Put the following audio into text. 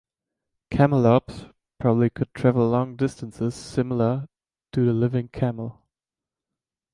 "Camelops" probably could travel long distances, similar to the living camel.